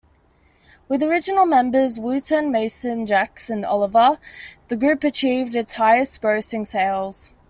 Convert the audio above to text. With original members Wooten, Mason-Jacks and Oliver, the group achieved its highest grossing sales.